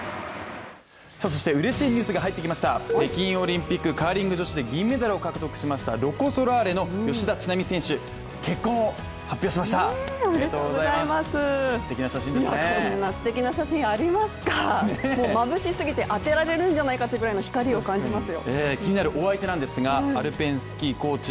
そして嬉しいニュースが入ってきました北京オリンピックカーリング女子で銀メダルを獲得しましたロコ・ソラーレの吉田知那美選手、結婚を発表しましたおめでとうございます素敵な写真じゃないかと思います